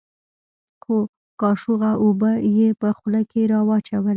څو کاشوغه اوبه يې په خوله کښې راواچولې.